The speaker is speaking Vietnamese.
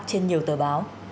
trên nhiều tờ báo